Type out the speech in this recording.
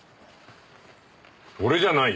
俺じゃないよ。